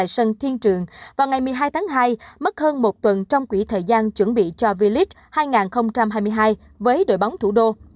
sân thiên trường vào ngày một mươi hai tháng hai mất hơn một tuần trong quỹ thời gian chuẩn bị cho v leage hai nghìn hai mươi hai với đội bóng thủ đô